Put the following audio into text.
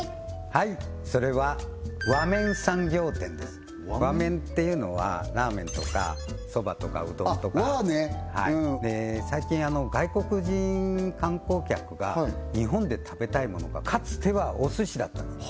はいそれは和麺っていうのはラーメンとかそばとかうどんとか最近外国人観光客が日本で食べたいものがかつてはお寿司だったんです